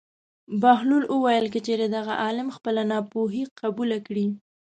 بهلول وویل: که چېرې دغه عالم خپله ناپوهي قبوله کړي.